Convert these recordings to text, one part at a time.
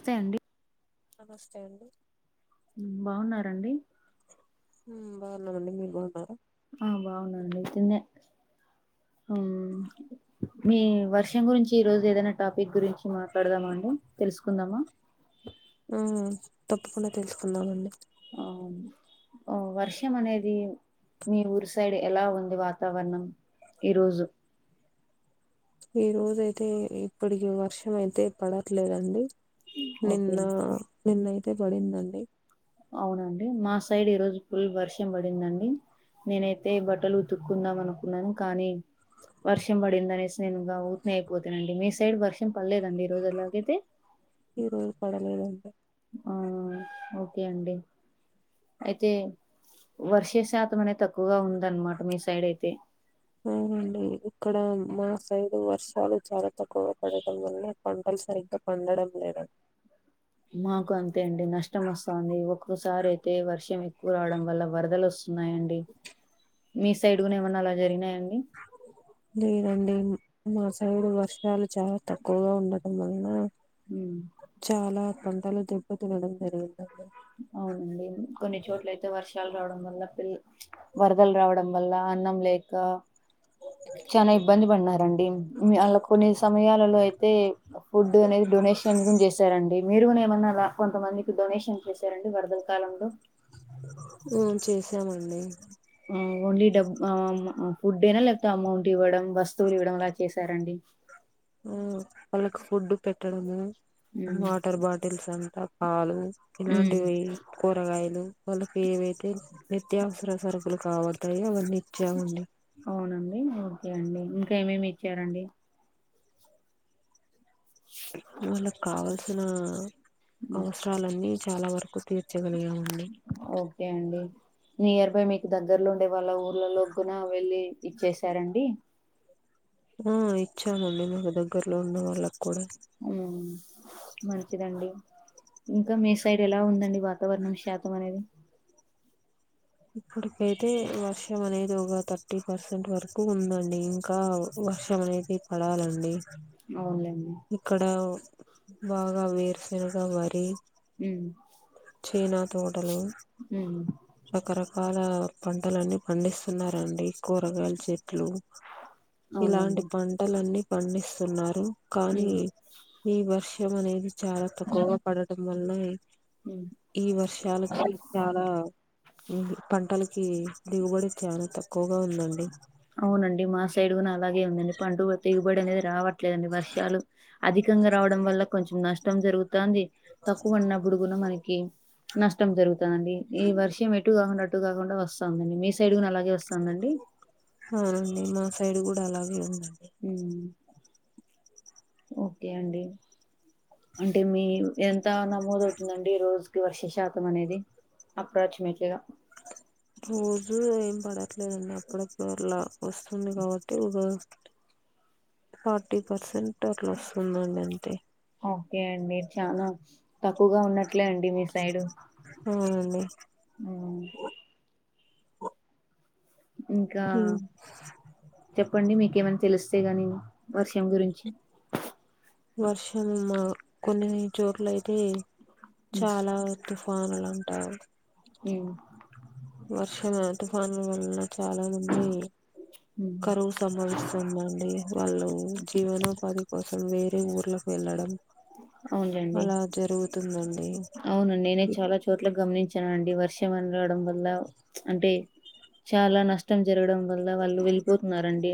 వస్తయ్ అండి నమస్తే అండి బాగున్నారండి బాగున్నామండి మీరు బాగున్నారా ఆ బాగున్నా అండి తిన్నె అం మీ వర్షం గురించి ఈ రోజు ఏదైనా టాపిక్ గురించి మాట్లాడదామా అండి తెలుసుకుందామా ఆ తప్పకుండా తెలుసుకుందమండి అవును ఓ వర్షం అనేది మీ ఊరు సైడ్ ఎలా ఉంది వాతావరణం ఈరోజు ఈ రోజ అయితే ఇప్పటికి వర్షం అయితే పడట్లేదండి ఓకే నిన్న నిన్నయితే పడిందండి అవునండి మా సైడ్ ఈ రోజు ఫుల్ వర్షం పడిందండి నేనైతే బట్టలు ఉతుక్కుందాం అనుకున్నాను కానీ వర్షం పడిందనే నేను ఇంగ ఊరుకనే అయిపోతినండి మీ సైడ్ వర్షం పల్లెదండి ఈ రోజులాగైతే ఈ రోజు పడలేదండి ఆ ఓకే అండి అయితే వర్ష శాతం అనేది తక్కువగా ఉందనమాట మీ సైడ్ అయితే అవునండి ఇక్కడ మా సైడు వర్షాలు చాలా తక్కువ పడటం వల్ల పంటలు సరిగ్గా పండడం లేదండి మాకు అంతే అండి నష్టం వస్తుంది ఒక్కసారి అయితే వర్షం ఎక్కువ రావడం వల్ల వరదలు వస్తున్నాయండి మీ సైడ్ కూడా ఏమన్నా అలా జరిగినాయాండి లేదండి మా సైడ్ వర్షాలు చాలా తక్కువగా ఉండటం వలన ఉ చాలా పంటలు దెబ్బ తినడం జరిగిందండి అవునండి కొన్ని చోట్లయితే వర్షాలు రావడం వల్ల వరదలు రావడం వల్ల అన్నం లేక చాలా ఇబ్బంది పడినారండి ఆళ్ళ కొన్ని సమయాలలో అయితే ఫుడ్ అనేది డొనేషన్ గున్ చేశారండి మీరు కూడా ఏమన్నా కొంతమందికి డొనేషన్ చేశారండి వరదల కాలంలో ఉమ్ చేసామండి ఆ ఓన్లీ డబ్ ఆ ఫుడ్ యేన లేకపోతే అమౌంట్ ఇవ్వడం వస్తువులు ఇవ్వడం అలా చేసారండి ఆ వాళ్ళకి ఫుడ్ పెట్టడము ఉమ్ వాటర్ బాటిల్స్ అంతా పాలు ఇలాంటివి కూరగాయలు వాళ్ళకి ఏవైతే నిత్యావసర సరుకులు కాబంటాయో అవన్నీ చెమండి అవునండి ఓకే అండి ఇంకా ఏమేమి ఇచ్చారండి వాళ్ళకి కావల్సిన హ్మ్. అవసరాలన్నీ చాలా వరకు తీర్చగలిగామండి ఓకే అండి నియర్ బై మీకు దగ్గర్లో ఉండే వాళ్ళ ఊర్లలో కూడాన వెళ్ళలి ఇచ్చేసారండి ఆ ఇచ్చామండి మాకు దగ్గరలో ఉన్న వాళ్ళకి కూడా హమ్ మంచిదండి ఇంకా మీ సైడ్ ఎలా ఉందండి వా వాతావరణం శాతం అనేది ఇప్పుటికైతే వర్షం అనేది ఇది ఒక థర్టీ పర్సెంట్ వరకు ఉందండి ఇంకా వర్షం అనేది పడాలండి అవులేండి ఇక్కడ బాగా వేరుశనగ వరి ఉమ్ చైనా తోటలు ఉమ్ రకరకాల పంటలన్నీ పండిస్తునారండి కూరగాయల చెట్లు అవునులేండి ఇలాంటి పంటలన్నీ పండిస్తున్నారు కానీ ఉమ్ ఈ వర్షం అనేది చాలా తక్కువగా పడటం వల్ల ఉమ్ ఈ వర్షాలకి చాలా ఈ పంటలకి దిగుబడి చాలా తక్కువ ఎక్కువగా ఉందండి అవునండి మా సైడ్ కూడా అలాగే ఉందండి పంటకు దిగుబడి అనేది రావట్లేదండి వర్షాలు అధికంగా రావడం వల్ల కొంచెం నష్టం జరుగుతుంది తక్కువ ఉన్నప్పుడు మనకి నష్టం జరుగుతాంది ఈ వర్షం ఎటు కాకుండా అటు కాకుండా వస్తుందండి మీ సైడ్ కూడా అలాగే వస్తుందండి అవునండి మా సైడ్ కూడా అలాగే ఉందండి ఓకే అండి అంటే మీ ఎంత నమోదవుతుందండి ఈ రోజుకి వర్ష శాతం అనేది అప్రాక్సిమేట్లీగా రోజు ఏం పడట్లేదండి అప్పుడర్లా వస్తుంది కాబట్టి ఇ అ [inaudible] ఫార్టీ పర్సెంట్ అట్లా వస్తుందండి అంతే ఓకే అండి చాలా తక్కువగా ఉన్నట్లే అండి మీ సైడు అవునండి ఇంకా చెప్పండి మీకేమనా తెలుస్తే గాని వర్షం గురించి వర్షం మా కొన్ని చోట్ల అయితే చాలా తుఫానులా ఆ హమ్ వర్షం తుఫాను వల్ల చాలా మంది ఉమ్. కరువు సంభవిస్తుందండి వాళ్ళు జీవనోపాధి కోసం వేరే ఊర్లకు వెళ్ళడం అలా జరుగుతుందండి అవునండి నేనే చాలా చోట్ల గమనించాను అండి వర్షం అని రావడం వల్ల అంటే చాలా నష్టం జరగడం వల్ల వాళ్ళు వెళ్ళిపోతున్నారండి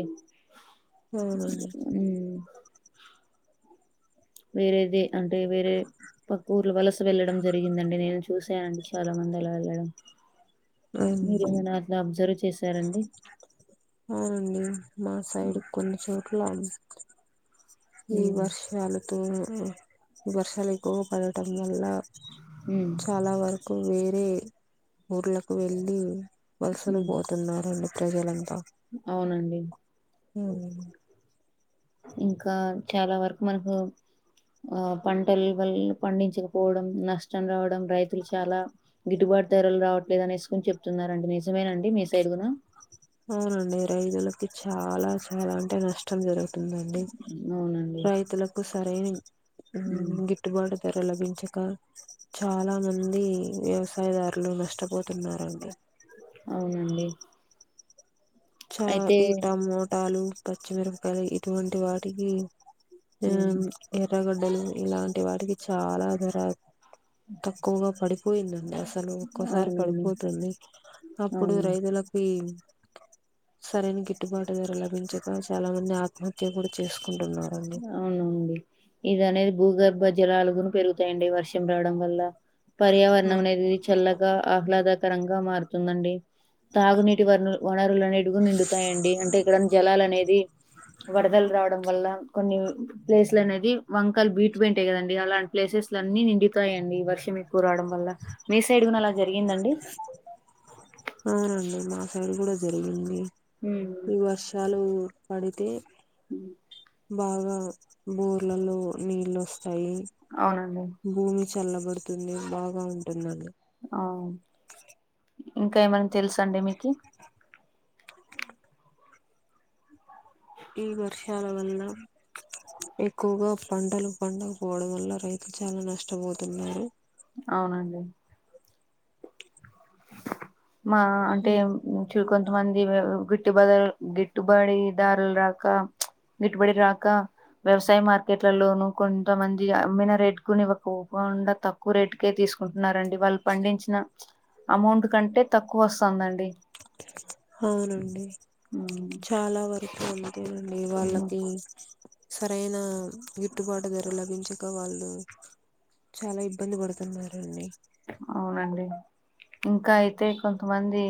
అవునా అండి ఉమ్ వేరేది అంటే వేరే పక్క ఊర్లు వలస వెళ్లడం జరిగిందండి నేను చూసానండి చాలా మంది అలా వెళ్లడం అవున అబ్జర్వ్ చేశారండి అవునండి మా సైడ్ ఉమ్ కొన్ని చోట్లా ఈ ఉమ్ వర్షాలతో ఈ వర్షాలు ఎక్కువగా పడటం వల్లా ఉ చాలా వరకు వేరే ఊర్లలకు వెళ్ళి వలసలకు ఉమ్ పోతు తున్నారండి ప్రజలంతా అవునండి హ్మ్ ఇంకా చాలా వరకు మనకు ఆ పంటలు వల్ల పండించకపోవడం నష్టం రావడం రైతులు చాలా గిట్టుబాటు ధరలు రావట్లేదు అనేసుకుని చెప్తున్నారండి నిజమేనండి మీ సైడ్ గున అవునండి రైతులకి చాలా చాలా అంటే నష్ టాం జరుగుతుందండి అవునండి రైతులకు సరైన ఆ ఉమ్ గిట్ ట్టుబాటు ధర లభించకా చాలా మంది వ్యవసాయదారులు నష్టపోతున్నారండి అవునండి చ అయితే ఈ టమోటాలు పచ్చిమిరపకాయ ఇటువంటి వాటికి ఆ హ్ ఎర్రగడ్డలు ఇలాంటి వాటికి చాలా ధర తక్కువగా పడి పోయిందండి అసలు ఒక్కోసారి అవునండి పడిపోతుంది అప్పుడు అవును రైతులకు ఈ సరైన గిట్టుబాటు ధర లభించక చాలా మంది ఆత్మహత్య కూడా చేసుకుంటున్నారండి అవునండి ఇది అనేది భూగర్భ జలాలుగును పెరుగుతాయండి వర్షం రావడం వల్లా ఆ పర్యావరణం అనేది చల్లగా ఆహ్లాదకరంగా మారుతుందండి తాగునీటి వనరు వనరులనేటివి నిండుతాయండి అంటే ఎక్కడ జనాలు అనేది వర్దలు రావడం వల్లా కొన్ని ప్లేస్లు అనేది వంకల్ బీట్ పెయింటయి కదండి అలాంటి ప్లేసెస్లన్నీ నిండుతాయండి వర్షం ఎక్కువ రావడం వల్ల మీ సైడ్ కూడా అలా జరిగిందండి అవునండి మా సైడ్ కూడా జరిగింది ఉమ్ ఈ వర్షాలు పడితే ఉ బాగా బోర్లల్లో నీళ్ళొస్తాయి అవునండి భూమి చల్లబడుతుంది బాగా ఉంటుందండి ఆ ఇంకా ఏమన్నా తెలుసా అండి మీకి ఈ వర్షాల వల్లా ఎక్కువగా పంటలు పండక పోవడం వల్ల రైతులు చాలా నష్టపోతున్నారు అవునండి మా అంటే ఉమ్, మనుషులు కొంతమంది గిట్టు బదలు గిట్టుబడి దారులు రాక గిట్టుబడి రాక వ్యవసాయ మార్కెట్లలోనూ కొంతమంది అమ్మిన రేట్టుకుని ఇవ్వుకోకుండా త క్కువ రేటుకే తీసుకుంటున్నారండి వాళ్ళు పండించిన అమౌంట్ కంటే తక్కువ వస్తుందండి అవునండి ఉమ్, చాలా వరకు అంతేనండి ఇ వాళ్ళకి సరైన గిట్టుబాటు ధర లభించక వాళ్ళు చాలా ఇబ్బంది పడుతున్నారండి. అవునండి ఇంకా అయితే కొంతమంది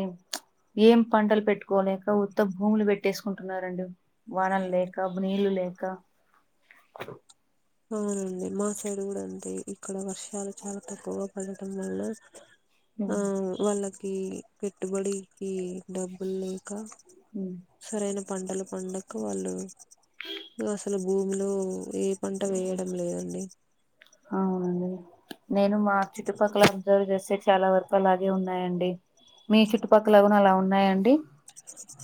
ఏం పంటలు పెట్టుకోలేక ఉత్త భూములు పెట్టేసుకుంటున్నారండి వనం లేక బు నీళ్లు లేక అవునండి మా సైడ్ కూడా అంతె ఇక్కడ వర్షాలు చాలా తక్కువగా పడటం వల్ల ఆ ఉమ్, వాళ్ళకి పెట్టుబడికి డబ్బులు లేక ఉమ్. సరైన పంటలు పండక వాళ్ళు అసలు భూమిలో ఏ పంట వేయడం లేదండి అవునండి నేను మా చుట్టుపక్కల అబ్జర్వ్ చేస్తే చాలా వరకు అలాగే ఉన్నాయండి మీ చుట్టుపక్కల కూడా అలా ఉన్నాయండి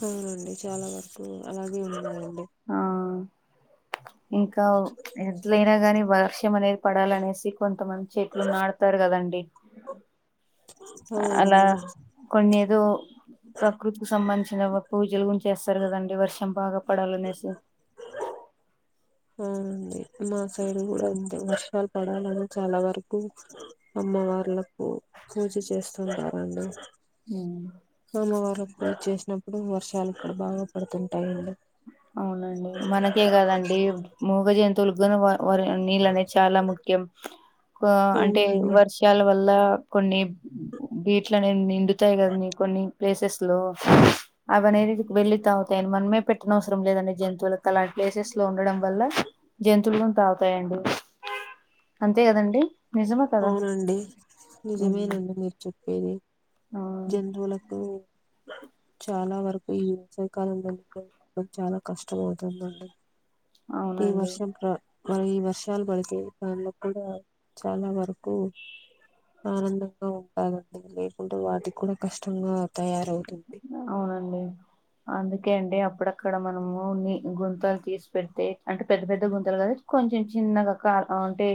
అవునండి చాలా వరకు అలాగే ఉన్నాయండి ఆ ఇంకా ఎట్లయినా గాని వర్షం అనేది పడాలనేసి కొంతమంది చేట్లు నాడతారు కదండి అలా అవునండి కొన్ని ఏదో ప్రకృతికి సంబంధించిన పూజలు గురించి చేస్తారు కదండి వర్షం బాగా పడాలనేసి అవునండీ మా సైడ్ కూడా ఉంది వర్షాలు పడాలని చాలా వరకు అమ్మవార్లకూ పూజ చేస్తుంటారండి ఊ సోమవారం కూడా చేసినప్పుడు వర్షాలు ఇక్కడ బాగా పడుతుంటాయి అవునండి మనకే కాదండి మూగ జంతువులు గాని వరి నీళ్ళు అనేది చాలా ముఖ్యం కూ అంటే అవునండి వర్ష వర్షల వల్ల కొన్ని వీట్లనే నిండుతాయి కదండి కొన్ని ప్లేసెస్ లో అవనేది వెళితాగుతాయండి మనమె పెట్ తరం లేదండి జంతువులకు అలాంటి ప్లేసెస్ లో ఉండడం వల్ల జంతువులు తాగు తాయండి అంతే కదండి నిజమే కదా అవునండి అవునండి నిజమేనండి మీరు చెప్పేది ఆ జతువులకు చాలా వరకు ఈ వేసవి కాలం వరకు చాలా కష్టం అవుతుందండి ఈ అవునండి వర్షం ప్ర మరి ఈ వర్షాలు పడితె దానిలో కూడా చాలా వరకు ఆనందంగా ఉంటారండి లేకుంటే వాటికి కూడా కష్టంగా తయారవుతుంది అవునండి అందుకే అంటే అప్పుడక్కడ మనము నీ గుంతాలు తీసుకు పెడితే అంటే పెద్ద పెద్ద గుంతలు గాద కొంచెం చిన్నగా క అంటే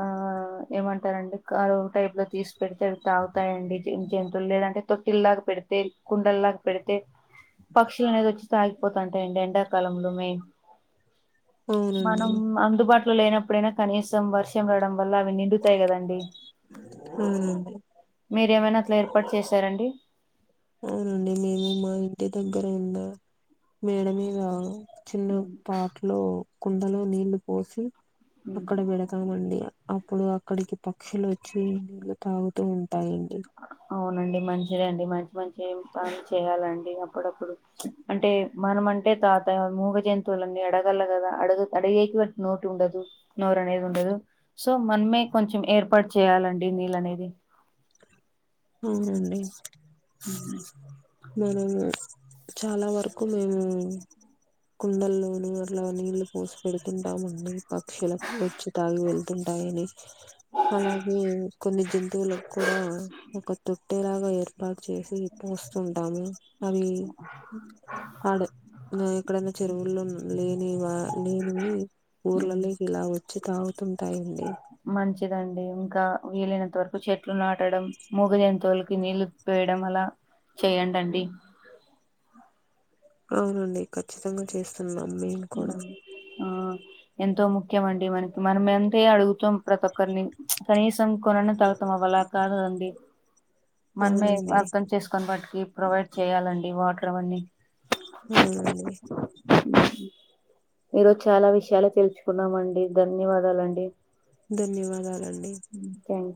ఆ ఏమంటారండి కరు టైప్ లో తీసి పెడితే ఆవి తాగుతాయండి జంతువులు లేదంటే తొట్టిల్లాగా పెడితే కుండల్లాగా పెడితే పక్షులు అనేది వచ్చి తాగిపోతంటాయండి ఎండాకాలంలో మెయిన్ అవునండి మనం అందుబాటులో లేనప్పుడైనా కనీసం వర్షం రావడం వల్ల అవి నిండుతాయి కదండి అవునండి మీరేమైనా అట్లా ఏర్పాటు చేశారండి అవునండి మేము మా ఇంటి దగ్గర ఉన్న మేడమీద చిన్న ఉమ్, పాట్ లో కుండలో నీళ్లు పోసి ఉమ్. అక్కడ పెడతా ఆ మండి అప్పుడు అక్కడికి పక్షులు వచ్చి నీళ్లు తాగుతూ ఉంటాయండి అవునండి మంచిదే అండి మంచి మంచి పనులు చేయాలండి అప్పుడప్పుడు చ్ అంటే మనం అంటే తాగ్త మూగ జంతువులన్నీ అడగల గదా అడుగు అడిగేకి వాటికి నోట్ ఉండదు నోరు అనేది ఉండదు సో మనమే కొంచెం ఏర్పాటు చేయ్యాలండి నీళ్ళు అనేది అవునండి ఉ మనము చాలా వరకు మేము కుండల్లోను అట్లా నీళ్ళు పోసి పెడుతుంటాం అండి పక్షులకు వచ్చి తాగి వెళ్తుంటాయని అలాగే కొన్ని జంతువులు కూడా ఇంకొద్దు ఎలాగో ఏర్పాటు చేసి పోస్తుంటాము అవి ఆడ ఎక్కడైనా చెరువుల్లో లేని వా లేనివి హ్మ్. ఊర్లలోకి ఇలా వచ్చి తాగుతుంటాయండి మంచిదండి ఇంకా వీలైనంత వరకు చెట్లు నాటడం మూగ జంతువులకి నీళ్ళు పోయడం అలా చెయ్యండి అండి అవునండి ఖచ్చితంగా చేస్తున్నాం మేము కూడా హ్మ్. ఆ ఎంతో ముఖ్యం అండి మనకి మనం ఎంత అడుగుతాం ప్రతి ఒక్కరిని చ్ కనీసం కొనను తాగుతమ్ అవి అలా కాదు కదండీ మనమే అవునండి అర్థం చేసుకొని వాటికి ప్రొవైడ్ చేయాలండి వాటర్ అవన్నీ అవునండి ఈరోజు చాలా విషయాలే తెలుసుకున్నామ అండి ధన్యవాదాలండి ధన్యవాదాలండి థాంక్యూ